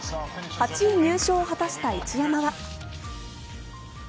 ８位入賞を果たした一山は。